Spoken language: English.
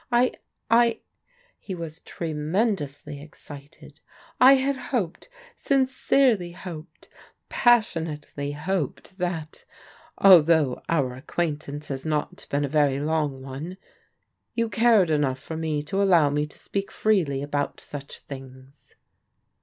I — I," — ^he was tremendously excited, —" I had hoped, sincerely hoped, passionately hoped that, although our acquaintance has not been a very long one, you cared enough for me to allow me to speak freely about such things."